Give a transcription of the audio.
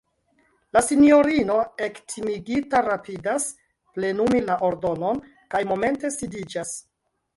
La sinjorino ektimigita rapidas plenumi la ordonon kaj momente sidiĝas.